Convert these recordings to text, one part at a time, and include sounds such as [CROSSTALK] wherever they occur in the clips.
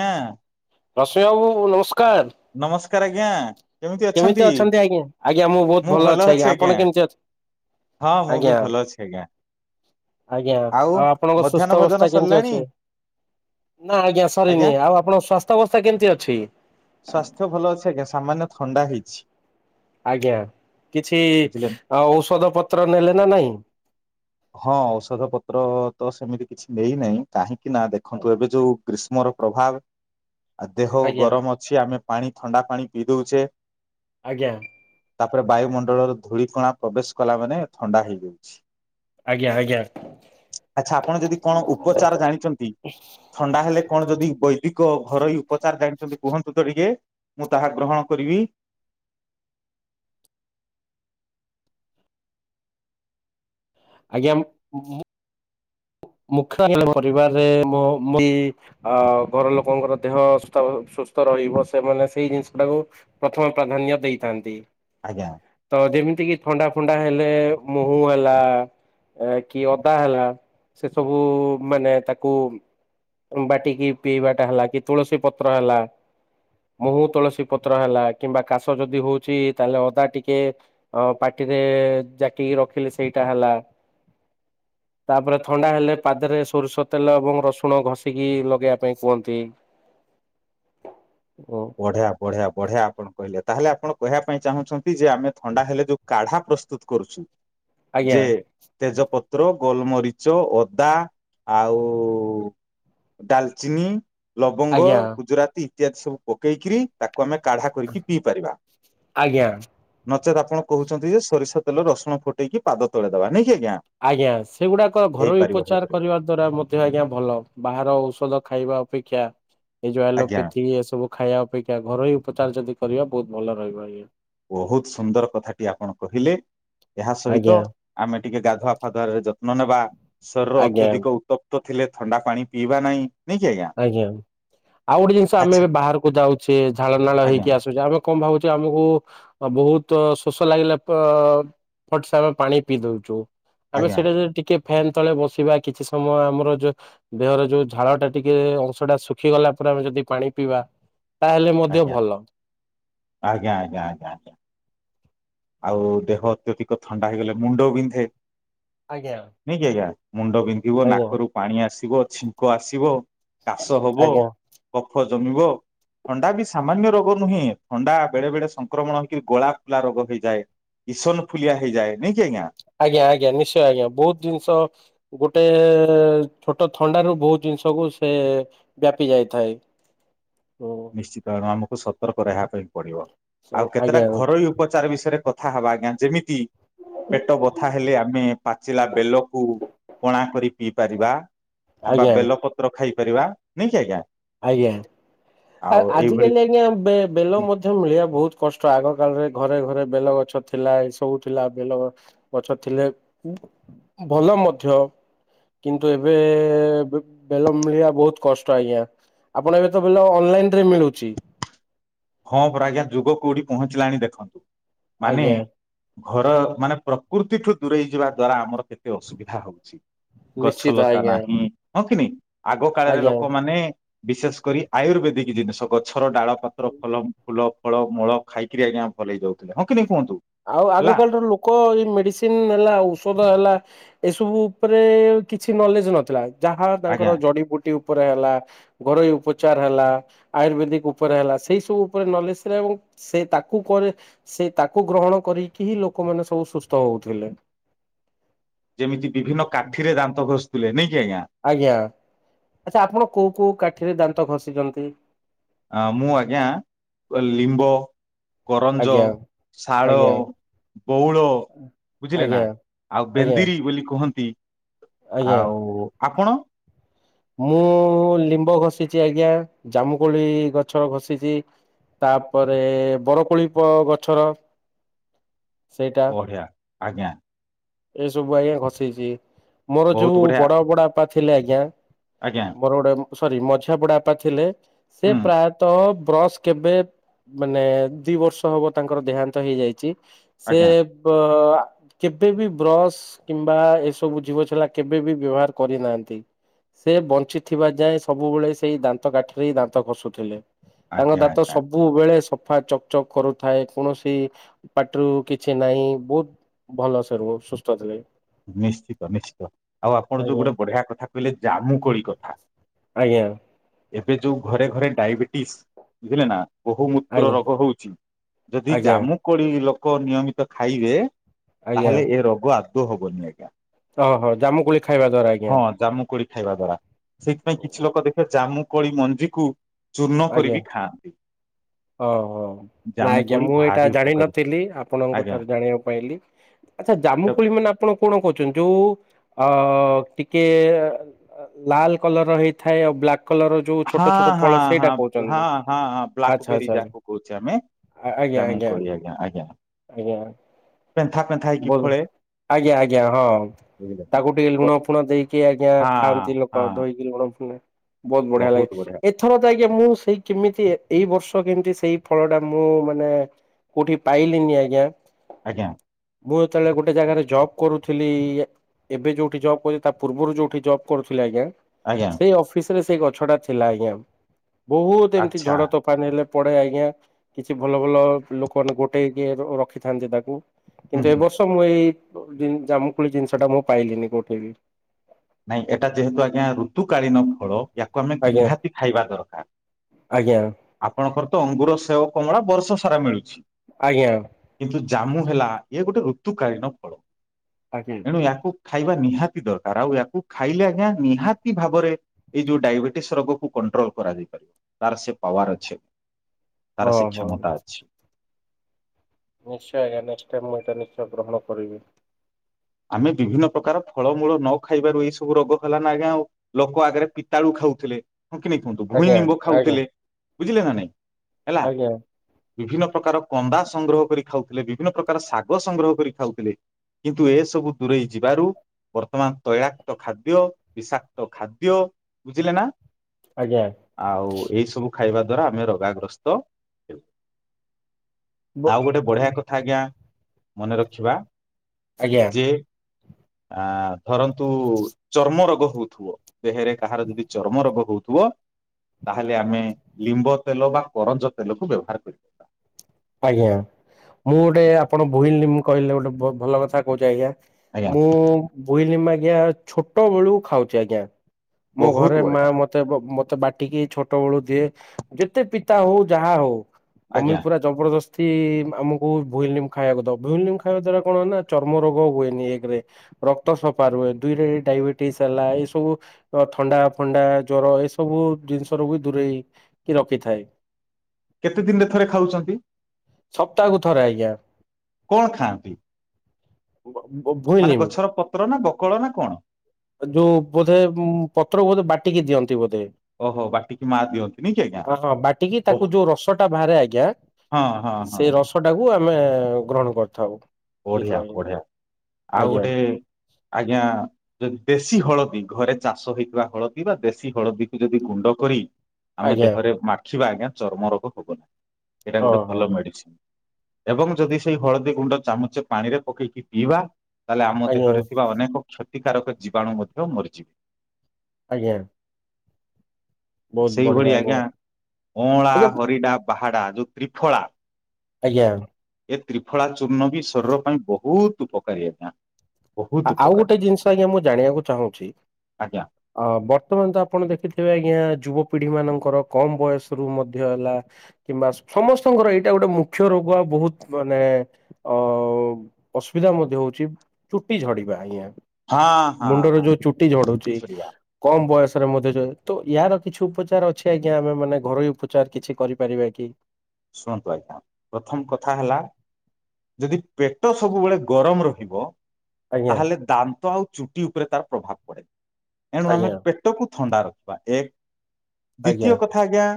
ହଁ ରଶ୍ମି ବାବୁ ନମସ୍କାର। ନମସ୍କାର ଆଜ୍ଞା। କେମିତି ଅଛନ୍ତି ଆଜ୍ଞା ଆଜ୍ଞା ମୁଁ ବହୁତ ଭଲ ଅଛି ଆଜ୍ଞା ଆପଣ କେମିତି ଅଛନ୍ତି? ହଁ ମୁଁ ବି ଭଲ ଅଛି ଆଜ୍ଞା। ଆଜ୍ଞା ଆଉ ଆପଣଙ୍କ ମଧ୍ୟାହ୍ନ ସୁସ୍ଥ ଭୋଜନ ଅବସ୍ଥା କେମିତି ସରିଲାଣି? ଅଛି? ନା ଆଜ୍ଞା ସରିନି ଆଉପଣଙ୍କ ସ୍ୱାସ୍ଥ୍ୟ ଅବସ୍ଥା କେମିତି ଅଛି? ସ୍ୱାସ୍ଥ୍ୟ ଭଲ ଅଛି ଆଜ୍ଞା ସାମାନ୍ୟ ଥଣ୍ଡା ହେଇଚି। ଆଜ୍ଞା କିଛି ବୁଝିଲେ ନା। ଆ ଔଷଧ ପତ୍ର ନେଲେ ନା ନାଇଁ? ହଁ ଔଷଧ ପତ୍ର ତ ସେମିତି କିଛି ନେଇନାହିଁ କାହିଁକି ନା ଦେଖନ୍ତୁ ଏବେ ଯୋଉ ଗ୍ରୀଷ୍ମର ପ୍ରଭାବ ଆ ଦେହ ଆଜ୍ଞା ଗରମ ଅଛି ଆମେ ପାଣି ଥଣ୍ଡା ପାଣି ପିଇ ଦଉଚେ ଆଜ୍ଞା। ତାପରେ ବାୟୁମଣ୍ଡଳର ଧୂଳିକଣା ପ୍ରବେଶ କଲା ମାନେ ଥଣ୍ଡା ହେଇଯାଉଚି। ଆଜ୍ଞା ଆଜ୍ଞା। ଆଚ୍ଛା ଆପଣ ଯଦି କଣ ଉପଚାର ଜାଣିଚନ୍ତି ଥଣ୍ଡା ହେଲେ କଣ ଯଦି ବୈଦିକ ଘରୋଇ ଉପଚାର ଜାଣିଚନ୍ତି କୁହନ୍ତୁ ତ ଟିକେ। ମୁଁ ତାହା ଗ୍ରହଣ କରିବି। ଆଜ୍ଞା ମୁଁ ମୁଖ୍ୟ ହେଲେ ପରିବାରରେ ମୋ ମୋ [UNINTELLIGIBLE] ଆ ଘର ଲୋକଙ୍କର ଦେହ ସୁସ୍ ସୁସ୍ଥ ରହିବ ସେମାନେ ସେଇ ଜିନିଷ ଟାକୁ ପ୍ରଥମ ପ୍ରାଧାନ୍ୟ ଦେଇଥାନ୍ତି। ଆଜ୍ଞା। ତ ଯେମିତି କିି ଥଣ୍ଡା ଫଣ୍ଡା ହେଲେ ମହୁ ହେଲା କି ଅଦା ହେଲା ସେ ସବୁ ମାନେ ତାକୁ ବାଟିକି ପିଇବାଟା ହେଲା କି ତୁଳସୀ ପତ୍ର ହେଲା ମହୁ ତୁଳସୀ ପତ୍ର ହେଲା କିମ୍ବା କାଶ ଯଦି ହଉଛି ତାହେଲେ ଅଦା ଟିକେ ଅ ପାଟିରେ ଜାକିକି ରଖିଲି ସେଇଟା ହେଲା ତାପରେ ଥଣ୍ଡା ହେଲେ ପାଦରେ ସୋରିଷ ତେଲ ଏବଂ ରସୁଣ ଘଷିକି ଲଗେଇବା ପାଇଁ କୁହନ୍ତି। ଓ। ବଢିଆ ବଢିଆ ବଢିଆ ଆପଣ କହିଲେ ତାହେଲେ ଆପଣ କହିବା ପାଇଁ ଚାହୁଁଛନ୍ତି ଯେ ଆମେ ଥଣ୍ଡା ହେଲେ ଯୋଉ କାଢା ପ୍ରସ୍ ତୁତ୍ କରୁଛୁ ଆଜ୍ଞା ଯେ ତେଜପତ୍ର ଗୋଲମରିଚ ଅଦା ଆଉ ଡାଲଚିନି ଲବଙ୍ଗ ଆଜ୍ଞା ଗୁଜୁରାତି ଇତ୍ୟାଦି ସବୁ ପକେଇକିରି ତାକୁ ଆମେ କାଢା କରିକି ପିଇ ପାରିବା। ଆଜ୍ଞା। ନଚେତ୍ ଆପଣ କହୁଛନ୍ତି ଯେ ସୋରିଷ ତେଲ ରସୁଣ ଫୁଟେଇକି ପାଦ ତଳେଦବା ନାଇଁ କି ଆଜ୍ଞା? ଆଜ୍ଞା ସେଗୁଡାକ ଘରୋଇ ହେଇପାରିବ ଉପଚାର ହେଇପାରିବ କରିବା ଦ୍ଵାରା ମଧ୍ୟ ଆଜ୍ଞା ଭଲ ବାହାର ଔଷଧ ଖାଇବା ଅପେକ୍ଷା ଏ ଯୋଉ ଆଜ୍ଞା ଏଲପଥି ଏସବୁ ଖାଇବା ଅପେକ୍ଷା ଘରୋଇ ଉପଚାର ଯଦି କରିବା ବହୁତ ଭଲ ରହିବ ଆଇ ବହୁତ ସୁନ୍ଦର କଥାଟି ଆପଣ କହିଲେ ଏହା ସହିତ ଆଜ୍ଞା ଆମେ ଟିକେ ଗାଧୁଆ ଫାଧୁଆରେ ଯତ୍ନନେବା ଶରୀରର ଆଜ୍ଞା ଅତ୍ୟଧିକ ଉ ତପ୍ତ ଥିଲେ ଥଣ୍ଡା ପାଣି ପିଇବା ନାହିଁ ନାଇଁ କି ଆଜ୍ଞା ଆଉ ଗୋଟେ ଜିନିଷ ଆମେ ଆଚ୍ଛା। ଏବେ ବାହାରକୁ ଯାଉଛେ ଝାଳନାଳ ଆଜ୍ଞା ହେଇକି ଆସୁଛେ ଆମେ କଣ ଭାବୁଚେ ଆମକୁ ବହୁତ ଶୋଷ ଲାଗିଲା ପ ପଟସା ଆମେ ପାଣି ପିଇ ଦଉଚୁ। ଆମେ ଆଜ୍ଞା ସେଇଟା ଯୋଉ ଟିକେ ଫ୍ୟାନ୍ ତଳେ ବସିବା କିଛି ସମୟ ଆମର ଯୋଉ ଦେହର ଯୋଉ ଝାଳଟା ଟିକେ ଅଂଶଟା ଶୁଖିଗଲା ପରେ ଆମେ ଯଦି ପାଣି ପିଇବା ତାହେଲେ ମଧ୍ୟ ଆଜ୍ଞା ଭଲ। ଆଜ୍ଞା ଆଜ୍ଞା ଆଜ୍ଞା ଆଜ୍ଞା। ଆଉ ଦେହ ଅତ୍ୟଧିକ ଥଣ୍ଡା ହେଇଗଲେ ମୁଣ୍ଡ ବିନ୍ଧେ ଆଜ୍ଞା। ନାଇଁକି ଆଜ୍ଞା ମୁଣ୍ଡ ବିନ୍ଧିବ ଆଜ୍ଞା ନାକରୁ ପାଣି ଆସିବ ଛିଙ୍କ ଆସିବ କାଶ ହବ ଆଜ୍ଞା କଫ ଜମିବ ଥଣ୍ଡା ବି ସାମାନ୍ୟ ରୋଗ ନୁହେଁ ଥଣ୍ଡା ବେଳେ ବେଳେ ସଂକ୍ରମଣ ହେଇକିରି ଗଳା ଫୁଲା ରୋଗ ହେଇ ଯାଏ ଈସନଫୁଲିଆ ହେଇଯାଏ ନାଇ କିି ଆଜ୍ଞା? ଆଜ୍ଞା ଆଜ୍ଞା ନିଶ୍ଚୟ ଆଜ୍ଞା ବହୁତ ଜିନିଷ ଗୋଟେ ଛୋଟ ଥଣ୍ଡାରୁ ବହୁତ ଜିନିଷକୁ ସେ ବ୍ୟାପି ଯାଇଥାଏ ହୁଁ। ନିଶ୍ଚିତ ଆମକୁ ସତର୍କ ରହିବା ପାଇଁ ପଡିବ ସବୁ ଆଉ କେତେଟା ଆଜ୍ଞା ଘରୋଇ ଉପଚାର ବିଷୟରେ କଥା ହବା ଆଜ୍ଞା ଯେମିତି ପେଟ ବଥା ହେଲେ ଆମେ ପାଚିଲା ବେଲକୁ ପଣା କରି ପିଇପାରିବା କିମ୍ବା ଆଜ୍ଞା ବେଲପତ୍ର ଖାଇପାରିବା ନାଇଁକି ଆଜ୍ଞା? ଆଜ୍ଞା ଆ ଆଉ ଏଇଭଳି ଆଜିକାଲି ଆଜ୍ଞା ବେ ବେଲ ମଧ୍ୟ ମିଳିବା ବହୁତ କଷ୍ଟ ଆଗ କାଳରେ ଘରେ ଘରେ ବେଲ ଗଛ ଥିଲା ଏ ସବୁ ଥିଲା ବେଲ ଗଛ ଥିଲେ ଉଁ ଭଲ ମଧ୍ୟ କିନ୍ତୁ, ଏବେ ବେ-ବେଲ ମିଳିବା ବହୁତ କଷ୍ଟ ଆଜ୍ଞା। ଆପଣ ଏବେ ତ ବେଲ ଅନଲାଇନ୍ ରେ ମିଳୁଚି। ହଁ ପରା ଆଜ୍ଞା ଯୁଗ କୋଉଠି ପହଞ୍ଚିଲାଣି ଦେଖନ୍ତୁ। ମାନେ ଆଜ୍ଞା ଘର ମାନେ ପ୍ରକୃତିଠୁ ଦୂରେଇ ଯିବା ଦ୍ଵାରା ଆମର କେତେ ଅସୁବିଧା ହଉଛି। ନିଶ୍ଚିତ ଗଛଲତା ଆଜ୍ଞା ନାହିଁ ହଁ କି ନାହିଁ? ଆଗ କାଳରେ ଆଜ୍ଞା ଲୋକମାନେ ବିଶେଷ କରି ଆୟୁର୍ବେଦିକ ଜିନିଷ ଗଛର ଡାଳ ପତ୍ର ଫଲ ଫୁଲ, ଫଳ, ମୂଳ ଖାଇକିରି ଆଜ୍ଞା ଭଲ ହେଇଯାଉଥିଲେ ହଁ କି ନାହିଁ କୁହନ୍ତୁ? ଆଉ ଆଗ ହେଲା କାଳର ଲୋ କ ଏଇ ମେଡିସିନ୍ ନେଲା ଔଷଧ ହେଲା ଏସବୁ ଉପରେ କିଛି ନଲେଜ୍ ନଥିଲା। ଯାହା ଆଜ୍ଞା ତାଙ୍କର ଜଡିବୁଟି ଉପରେ ହେଲା ଘରୋଇ ଉପଚାର ହେଲା, ଆୟୁର୍ବେଦିକ ଉପରେ ହେଲା ସେଇ ସବୁ ଉପରେ ନଲେଜ୍ ଥିଲା ଏବଂ ସେ ତାକୁ କରେ ସେ ତାକୁ ଗ୍ରହଣ କରିକି ହିଁ ଲୋକମାନେ ସବୁ ସୁସ୍ଥ ହଉଥିଲେ। ଯେମିତି ବିଭିନ୍ନ କାଠିରେ ଦାନ୍ତ ଘଷୁଥିଲେ ନାଇଁ କିି ଆଜ୍ଞା? ଆଜ୍ଞା, ଆଚ୍ଛା ଆପଣ କୋଉ କୋଉ କାଠିରେ ଦାନ୍ତ ଘଷିଚନ୍ତି? ଆ, ମୁଁ ଆଜ୍ଞା ଏ ଲିମ୍ବ, କରଞ୍ଜ, ଆଜ୍ଞା ଶାଳ ଆଜ୍ଞା ବଉଳ ବୁଝିଲେ ନା ଆଜ୍ଞା ଆଉ ଆଜ୍ଞା। ବେନ୍ଦିରି ବୋଲି କୁହନ୍ତି ଆଜ୍ଞା ଆଉ, ଆପଣ? ମୁଁ ଲିମ୍ବ ଘଷିଛି ଆଜ୍ଞା ଜାମୁକୋଳି ଗଛ ଘଷିଚି। ତାପରେ ବରକୋଳି ପ- ଗଛର। ସେଇଟା ବଢିଆ ଆଜ୍ଞା। ଏସବୁ ଆଜ୍ଞା ଘଷିଛି। ମୋର ବହୁତ ଯୋଉ ବଢିଆ ବଡ଼ ବଡବାପା ଥିଲେ ଆଜ୍ଞା ଆଜ୍ଞା। ମୋର ଗୋଟେ ସରି ମଝିଆ ବଡ଼ବାପା ଥିଲେ ସେ ହୁଁ ପ୍ରାୟ ତ ବ୍ରଶ୍ କେବେ ମାନେ ଦି ବର୍ଷ ହବ ତାଙ୍କର ଦେହାନ୍ତ ହେଇଯାଇଚି। ସେ ଆଜ୍ଞା ବ- ଆ ସେ ବି ବ୍ରସ୍ କିମ୍ବା ଏସବୁ ଜୀବଛେଲା କେବେ ବି ବ୍ୟବହାର କରିନାହାନ୍ତି। ସେ ବଞ୍ଚିଥିବା ଯାଏ ସବୁବେଳେ ସେଇ ଦାନ୍ତ କାଠିରେ ହି ଦାନ୍ତ ଘଷୁଥିଲେ। ତାଙ୍କ ଆଜ୍ଞା ଆଜ୍ଞା ଦାତ ସବୁବେଳେ ସଫା ଚକଚକ କରୁଥାଏ କୌଣସି ପାଟିରୁ କିଛି ନାହିଁ, ବହୁତ ଭଲ ସରୁ ଓ ସୁସ୍ଥ ଥିଲେ। ନିଶ୍ଚିତ ନିଶ୍ଚିତ ଆଉ ଆପଣ ଯୋଉ ଆଜ୍ଞା ଗୋଟେ ବଢିଆ କଥା କହିଲେ ଜାମୁକୋଳି କଥା। ଆଜ୍ଞା। ଏବେ ଯୋଉ ଘରେ ଘରେ ଡାଇବେଟିସ୍ ବୁଝିଲେ ନା। ବହୁମୂତ୍ର ଆଜ୍ଞା ରୋଗ ହଉଛି ଯଦି ଆଜ୍ଞା ଜାମୁକୋଳି ଲୋକ ନିୟମିତ ଖାଇବେ ଆଜ୍ଞା ତାହାଲେ ଏ ରୋଗ ଆଦୌ ହବନି ଆଜ୍ଞା। ଓହୋ, ଜାମୁକୋଳି ଖାଇବା ଦ୍ଵାରା ଆଜ୍ଞା। ଜାମୁକୋଳି ଖାଇବା ଦ୍ଵାରା। ସେଇଥିପାଇଁ କିଛି ଲୋକ ଦେଖିବେ ଜାମୁକୋଳି ମଞ୍ଜିକୁ ନ ଆଜ୍ଞା କରିବିି ଖାଆନ୍ତି। ଓହୋ। ନାଁ ଜାମୁ ଆଜ୍ଞା କୋଳି ମୁଁ ଏଇଟା ଭାରି ଉପକାରୀ ଜାଣିନଥିଲି ଆପଣଙ୍କ ଆଜ୍ଞା ଠାରୁ ଜାଣିଆକୁ ପାଇଲି। ଆଚ୍ଛା ଏଟା ଜାମୁକୋଳି ମାନେ ଆପଣ କଣ କହୁଛନ୍ତି? ଯୋଉ ଅ, ଟିକେ ଆଉ ଲାଲ କଲର୍ ର ହେଇଥାଏ ଆଉ ବ୍ଲାକ୍ କଲର୍ ର ଯୋଉ ଛୋଟ ହଁ ଛୋଟ ହଁ ପଳସ ହଁ, ହଁ, ହଁଁ ବ୍ଲାକବେରୀ ଯାହାକୁ କହୁଛେ ଆମେ। ଜାମୁକୋଳି ଆଜ୍ଞା ଆଜ୍ଞା। ଆଜ୍ଞା। ପେନ୍ଥା ପେନ୍ଥା ହେଇକି ବୋଲ ଫଳେ। ଆଜ୍ଞା ଆଜ୍ଞା ହଁ। ବୁଝିଲେ ତାକୁ ଟିକେ ନା ଲୁଣ ଫୁଣ ଦେଇକି ଆଜ୍ଞା ହଁ ଖାଆନ୍ତି ହଁ ଲୋକ ଧୋଇକି ଲୁଣ ଫୁଣ। ବହୁତ ବଢ଼ିଆ ଲାଗେ ଏ ଆଜ୍ଞା ମୁଁ ସେଇ କେମିତି ଏଇବର୍ଷ କେନ୍ତି ସେଇ ଫଳ ଟା ମୁଁ ମାନେ କୋଉଠି ପାଇଲିନି ଆଜ୍ଞା। ଆଜ୍ଞା। ମୁଁ ଯେତେବେଳେ ଗୋଟେ ଜାଗାରେ ଜବ କରୁଥିଲି ଏବେ ଯୋଉଠି ଜବ କରି ତା ପୂର୍ବରୁ ଯୋଉଠି ଜବ କରୁଥିଲେ ଆଜ୍ଞା ଆଜ୍ଞା ସେଇ ଅଫିସରେ ସେଇ ଗଛଟା ଥିଲା ଆଜ୍ଞା ବହୁତ ଏମତି ଆଚ୍ଛା ଝଡ ତୋ ଫାନ ନେଲେ ପଡେ ଆଜ୍ଞା କିଛି ଭଲଭଲ ଲୋକମାନେ ଗୋଟେ କିଏ ରଖିଥାନ୍ତି ତାକୁ। ହୁଁ କିନ୍ତୁ ହୁଁ ଏବର୍ଷ ମୁଁ ଏଇ ଜାମୁକୋଳି ଜିନିଷଟା ମୁଁ ପାଇଲିନି କୋଉଠି ଏଵେ। ନାଇଁ ଏଟା ଯେହେତୁ ଆଜ୍ଞା ଋତୁକାଳୀନ ଫଳ ୟାକୁ ଆମେ ଆଜ୍ଞା ନିହାତି ଖାଇବା ଦରକାର। ଆଜ୍ଞା ଆପଣଙ୍କର ତ ଅଙ୍ଗୁର, ସେଓ, କମଳା ବର୍ଷ ସାରା ମିଳୁଛି। ଆଜ୍ଞା। କିନ୍ତୁ ଜାମୁ ହେଲା ଇଏ ଗୋଟେ ଋତୁକାଳୀନ ଫଳ। ଆଜ୍ଞା। ଏଣୁ ୟାକୁ ଖାଇବା ନିହାତି ଦରକାର ଆଉ--ୟାକୁ ଖାଇଲେ ଆଜ୍ଞା ନିହାତି ଭାବରେ ଏଇ ଯୋଉ ଡାଇବେଟିସ ରୋଗକୁ କଣ୍ଟ୍ରୋଲ କରାଯାଇ ପାରିବ। ତାର ସେ ପାୱାର ଅଛି ତାର ସେ ଓହୋ। କ୍ଷମତା ଅଛି। ନିଶ୍ଚୟ ଆଜ୍ଞା ନେଷ୍ଟ ଟାଇମ ମୁଁ ଏଟା ନିଶ୍ଚୟ ଗ୍ରହଣ କରିବି। ଆମେ ବିଭିନ୍ନ ପ୍ରକାର ଫଳମୂଳ ନ ଖାଇବାରୁ ଏଇ ସବୁ ରୋଗ ହେଲାନା ଆଜ୍ଞା ଆଉ। ଲୋକ ଆଗରେ ପିତାଳୁ ଖାଉଥିଲେ ହଁ କି ନାଇ କୁହନ୍ତୁ ଆଜ୍ଞା ଭୁଇଁନିମ୍ବ ଆଜ୍ଞା ଖାଉଥିଲେ ବୁଝିଲେ ନା ନାଇଁ ହେଲା। ଆଜ୍ଞା ବିଭିନ୍ନ ପ୍ରକାର କନ୍ଦା ସଂଗ୍ରହ କରି ଖାଉଥିଲେ ବିଭିନ୍ନ ପ୍ରକାର ଶାଗ ସଂଗ୍ରହ କରି ଖାଉଥିଲେ। କିନ୍ତୁ ଏସବୁ ଦୂରେଇ ଯିବାରୁ ବର୍ତ୍ତମାନ ତୈଳାକ୍ତ ଖାଦ୍ୟ, ବିଷାକ୍ତ ଖାଦ୍ୟ ବୁଝିଲେ ନା। ଆଜ୍ଞା। ଆଉ ଏଇ ସବୁ ଖାଇବା ଦ୍ଵାରା ଆମେ ରୋଗାଗ୍ରସ୍ତ ହେଉ। ବ ଆଉ ଗୋଟେ ବଢିଆ କଥା ଆଜ୍ଞା ମନେ ରଖିବା। ଆଜ୍ଞା ଯେ ଆ ଧରନ୍ତୁ ଚର୍ମରୋଗ ହଉଥିବ ଦେହରେ କାହାର ଯଦି ଚର୍ମ ରୋଗ ହଉଥିବ ତାହେଲେ ଆମେ ଲିମ୍ବ ତେଲ ବା କରଞ୍ଜ ତେଲକୁ ବ୍ୟବହାର କରିବ ଆଜ୍ଞା ମୁଁ ଗୋଟେ ଆପଣ ଭୁଇଁନିମ୍ବ କହିଲେ ଗୋଟେ ଭଲ କଥା କହୁଛି ଆଜ୍ଞା ଆଜ୍ଞା ମୁଁ ଭୂଇଁନିମ୍ବ ଆଜ୍ଞା ଛୋଟ ବେଳକୁ ଖାଉଛି ଆଜ୍ଞା ମୋ ବହୁତ ଘରେ ବଢିଆ ମାଆ ମୋତେ ମୋ ମତେ ବାଟିକି ଛୋଟ ବେଳୁ ଦିଏ ଯେତେ ପିତା ହଉ ଯାହା ହଉ ମମି ଆଜ୍ଞା ପୁରା ଜବରଦସ୍ତି ଆମକୁ ଭୁଇଁଲିମ୍ ଖାଇବାକୁ ଦବ ଭୁଇଁଲିମ୍ ଖାଇବା ଦ୍ଵାରା କଣ ହୁ ନା ଚର୍ମ ରୋଗ ହୁଏନି ଏକରେ ରକ୍ତ ସଫା ରୁହେ ଦୁଇରେ ଡାଇବେଟିସ ହେଲା ଏଇ ସବୁ ଥଣ୍ଡା ଫଣ୍ଡା ଜ୍ଵର ଏ ସବୁ ଜିନିଷ ରୁ ବି ଦୂରେଇକି ରଖିଥାଏ କେତେ ଦିନରେ ଥରେ ଖାଉଛନ୍ତି ସପ୍ତାହକୁ ଥରେ ଆଜ୍ଞା କଣ ଖାଆନ୍ତି [UNINTELLIGIBLE] ମାନେ ଗଛର ପତ୍ର ନା ବକଳ ନା କଣ। ଯୋଉ ବୋଧେ ଉ ପତ୍ର ବୋଧେ ବାଟିକି ଦିଅନ୍ତି ବୋଧେ। ଓହୋ ବାଟିକି ମା ଦିଅନ୍ତିନି କି ଆଜ୍ଞା ହଁ ହଁ ବାଟିକି ଓହ ତାକୁ ଯୋଉ ରସଟା ବାହାରେ ଆଜ୍ଞା। ହଁ ହଁ ହଁ। ସେଇ ରସଟାକୁ ଆମେ ଗ୍ରହଣ କରିଥାଉ। ପୀଠ ବଢିଆ ବଢିଆ ଆଉ ଆଜ୍ଞା ଆଜ୍ଞା ଗୋଟେ ଆଜ୍ଞା। ଯଦି ଦେଶୀ ହଳଦୀ ଘରେ ଚାଷ ହେଇଥିବା ହଳଦୀ ବା ଦେଶୀ ହଳଦୀକୁ ଯଦି ଗୁଣ୍ଡ କରି। ଆମେ ଆଜ୍ଞା ଦେହରେ ମାଖିବା ଆଜ୍ଞା ଚର୍ମ ରୋଗ ହବନି ଏଇଟା ହଁ ଗୋଟେ ହଁ ଭଲ ମେଡିସିନ। ଏବଂ ଯଦି ସେଇ ହଳଦୀ ଗୁଣ୍ଡ ଚାମଚେ ପାଣିରେ ପକେଇକି ପିଇବା। ତାହେଲେ ଆମ ଆଜ୍ଞା ଦେହରେ ଥିବା ଅନେକ କ୍ଷତିକାରକ ଜୀବାଣୁ ମଧ୍ୟ ମରିଯିବେ। ଆଜ୍ଞା। ବହୁତ ବଢିଆ ସେଇଭଳି ଆଜ୍ଞା ଅଁଳା ଆଜ୍ଞା ହରିଡା ବାହାଡା ଯୋଉ ତ୍ରିଫଳା। ଆଜ୍ଞା। ଏ ତ୍ରିଫଳା ଚୂର୍ଣ୍ଣ ବି ଶରୀର ପାଇଁ ବହୁତ ଉପକାରୀ ଆଜ୍ଞା। ବହୁତ ଆଉ ଉପକାରୀ ଗୋଟେ ଜିନିଷ ଆଜ୍ଞା ମୁଁ ଜାଣିବାକୁ ଚାହୁଁଛି। ଆଜ୍ଞା ଅ ବର୍ତ୍ତମାନ ତ ଆପଣ ଦେଖିଥିବେ ଆଜ୍ଞା ଯୁବପିଢ଼ି ମାନଙ୍କର କମ ବୟସରୁୁ ମଧ୍ୟ ହେଲା। କିମ୍ବା ସମସ୍ତଙ୍କର ଏଇଟା ଗୋଟେ ମୁଖ୍ୟ ରୋଗ ଆ ବହୁତ ମାନେ। ଅ ଅସୁବିଧା ମଧ୍ୟ ହଉଛି। ଚୁଟି ଝଡିବା ଆଜ୍ଞା ହଁ ହଁ ମୁଣ୍ଡରେ ହଁ ଯୋଉ ଚୁଟି ଝଡୁଛି। କମ ବୟସରେ ମଧ୍ୟ ଯଏ ତ ୟାର କିଛି ଉପଚାର ଅଛି ଆଜ୍ଞା ଆମେ ମାନେ ଘରୋଇ ଉପଚାର କିଛି କରିପାରିବା କି। ଶୁଣନ୍ତୁ ଆଜ୍ଞା ପ୍ରଥମ କଥା ହେଲା। ଯଦି ପେଟ ସବୁବେଳେ ଗରମ ରହିବ। ଆଜ୍ଞା ତାହେଲେ ଦାନ୍ତ ଆଉ ଚୁଟି ଉପରେ ତାର ପ୍ରଭାବ ପଡ଼େ। ଏଣୁ ଆମେ ଆଜ୍ଞା ପେଟକୁ ଥଣ୍ଡା ରଖିବା ଏକ ଆଜ୍ଞା ଦ୍ଵିତୀୟ କଥା ଥା ଆଜ୍ଞା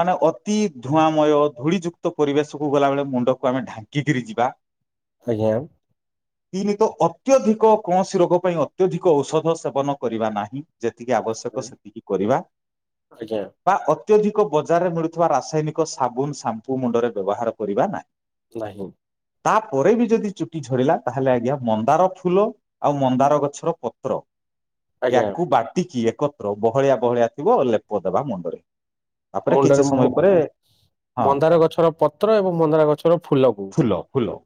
ମାନେ ଅତି ଧୁଆଁ। ସମୟ ଧୂଳିଯୁକ୍ତ ପରିବେଶକୁ ଗଲାବେଳେ ମୁଣ୍ଡକୁ ଆମେ ଢାଙ୍କିକିରି ଯିବା। ଆଜ୍ଞା। ତିନି ତ ଅତ୍ୟଧିକ କୌଣସି ରୋଗ ପାଇଁ ଅତ୍ୟଧିକ ଔଷଧ ସେବନ କରିବା ନାହିଁ। ଯେତିକି ଆବଶ୍ୟକ ସେତିକି କରିବା ଆଜ୍ଞା ବା ଅତ୍ୟଧିକ ବଜାରରେ ମିଳୁଥିବା ରାସାୟନିକ। ସାବୁନ ସାମ୍ପୁ ମୁଣ୍ଡରେ ବ୍ୟବହାର କରିବା ନାହିଁ। ନାହିଁ। ତାପରେ ବି ଯଦି ଚୁଟି ଝରିଲା ତାହେଲେ ଆଜ୍ଞା ମନ୍ଦାର ଫୁଲ। ଆଉ ମନ୍ଦାର ଗଛର ପତ୍ର। ଆଜ୍ଞା ୟାକୁ ବାଟିକି ଏକତ୍ର ବହଳିଆ ବହଳିଆ ଥିବ ଲେପ ଦେବା ମୁଣ୍ଡରେ। ତାପରେ ମୁଣ୍ଡରେ କିଛି ମୁ- ସମୟ ପରେ। ମୁ- ହଁ ମନ୍ଦାର ଗଛର ପତ୍ର ଏବଂ ମନ୍ଦାର ଗଛର ଫୁଲକୁ। ଫୁଲ ଫୁଲ।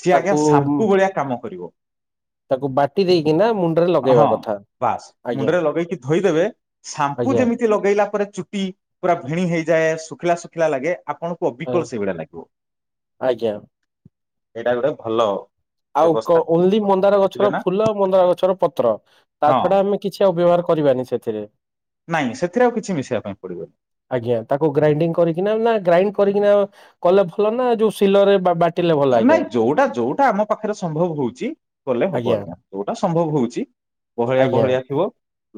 ସିଏ ଆଜ୍ଞା ତାକୁ ସାମ୍ପୁ ଭଳିଆ କାମ କରିବ। ତାକୁ ବାଟି ଦେଇକିନା ମୁଣ୍ଡରେ ହଁ ଲଗେଇବା କଥା। ବାସ୍ ଆଜ୍ଞା ମୁଣ୍ଡରେ ଲଗେଇକି ଧୋଇଦେବେ ସାମ୍ପୁ ଆଜ୍ଞା ଯେମିତି ଲଗେଇଲା ପରେ ଚୁଟି। ପୁରା ଭିଣି ହେଇଯାଏ ଶୁଖିଲା ଶୁଖିଲା ଲାଗେ ଆପଣଙ୍କୁ ଆ- ଅବିକଳ ସେଇଭଳିଆ ଲାଗିବ। ଆଜ୍ଞା ଏଇଟା ଗୋଟେ ଭଲ। ଆଉ କ ବ୍ୟବସ୍ଥା ଓନ୍ଲି କରୁଥିଲେ, ମନ୍ଦାର ବୁଝିଲେ ଗଛର ନା ଫୁଲ ମନ୍ଦାର ଗଛର ପତ୍ର ତା ହଁ ଛଡା ଆମେ। କିଛି ଆଉ ବ୍ୟବହାର କରିବାନି ସେଥିରେ। ନାଇଁ ସେଥିରେ ଆଉ କିଛି ମିଶିବା ପାଇଁ ପଡିବନି। ଆଜ୍ଞା ତାକୁ ଗ୍ରାଇଣ୍ଡିଙ୍ଗ କରିକିନା ନା ଗ୍ରାଇଣ୍ଡ କରିକିନା କଲେ ଭଲ ନା ଯୋଉ ସିଲରେ ବାଟି ନାଇଁ ଯୋଉଟା ଯୋଉଟା ଆମ ପାଖରେ ସମ୍ଭବ ହଉଛି କଲେ ହବ ଆଜ୍ଞା। ଯୋଉଟା ସମ୍ଭବ ହଉଛି ବହଳିଆ ଆଜ୍ଞା ବହଳିଆ ଥିବ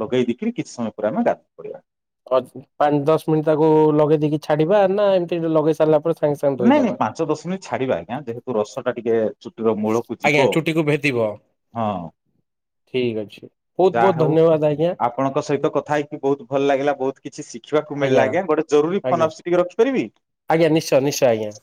ଲଗେଇ ଦେଇକିରି କିଛି ସମୟ ପରେ ଆମେ ଗଧକୁ ପଡିବା। ହ ପାଞ୍ଚ ଦଶ ମିନିଟ୍ ତାକୁ ଲଗେଇ ଦେଇେଇକି ଛାଡିବା। ନା ଏମିତି ଲଗେଇ ସାରିଲା ପରେ ସାଙ୍ଗେ ସାଙ୍ଗେ ନାଇଁ ଧୋଇଦବା। ନାଇଁ ପାଞ୍ଚ ଦଶ ମିନିଟ୍ ଛାଡିବା ଆଜ୍ଞା ଯେହେତୁ ରସ ଟା ଟିକେ ଚୁଟିର ମୂଳକୁ ଆଜ୍ଞା ଯିବ ଚୁଟିକୁ ଭେଦିବ। ହଁ। ଠିକ ଅଛି ବହୁତ ଯାହା ବହୁତ ହଉ ଧନ୍ୟବାଦ ଆଜ୍ଞା ଆପଣଙ୍କ ସହିତ କଥା ହେଇକି ବହୁତ ଭଲ ଲାଗିଲା ବହୁତ। କିଛି ଶିଖିବାକୁ ମିଳିଲା ଆଜ୍ଞା ଗୋଟେ ଜରୁରୀ ଫୋନ ଆଜ୍ଞା ଆସୁଛି ଟିକେ ରଖିପାରିବି। ଆଜ୍ଞା ନିଶ୍ଚୟ ନିଶ୍ଚୟ ଆଜ୍ଞା।